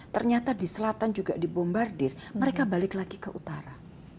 ternyata di selatan juga dibombardir mereka balik lagi ke utara